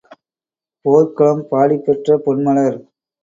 போற்களம் பாடிப் பெற்ற பொன்மலர்